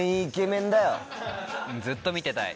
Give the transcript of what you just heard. ずっと見てたい。